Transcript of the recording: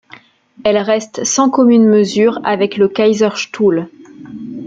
Elles restent sans commune mesure avec le Kaiserstuhl.